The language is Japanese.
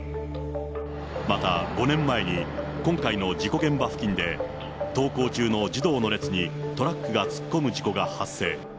また、５年前に今回の事故現場付近で、登校中の児童の列にトラックが突っ込む事故が発生。